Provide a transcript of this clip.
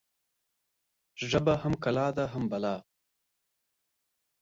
ژبه هم کلا ده، هم بلا